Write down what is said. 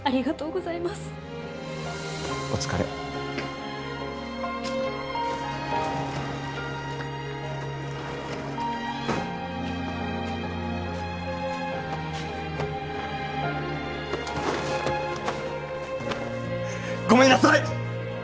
ごめんなさい！